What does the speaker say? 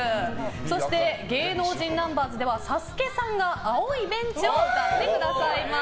そして、芸能人ナンバーズではサスケさんが「青いベンチ」を歌ってくださいます。